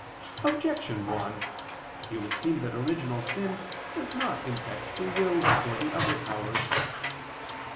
Objection 1: It would seem that original sin does not infect the will before the other powers.